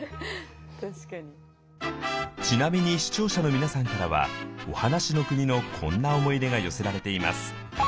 ちなみに視聴者の皆さんからは「おはなしのくに」のこんな思い出が寄せられています。